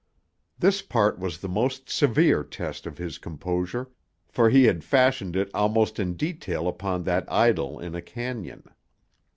This part was the most severe test of his composure, for he had fashioned it almost in detail upon that idyll in a cañon.